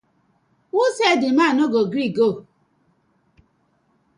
Wosai di man no go gree go ooo.